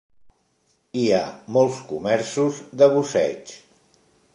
Hi ha molts comerços de busseig.